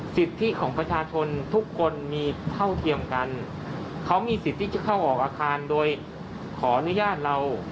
สิทธิของประชาชนทุกคนมีเท่าเทียมกันเขามีสิทธิ์ที่จะเข้าออกอาคารโดยขออนุญาตเรา